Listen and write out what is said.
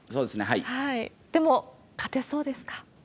でも、勝てそうですか？